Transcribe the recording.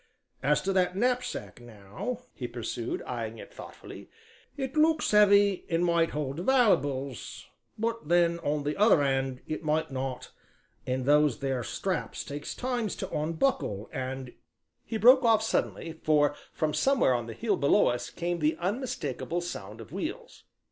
As to that knapsack now," he pursued, eyeing it thoughtfully, "it looks heavy and might hold valleybels, but then, on the other hand, it might not, and those there straps takes time to unbuckle and " He broke off suddenly, for from somewhere on the hill below us came the unmistakable sound of wheels.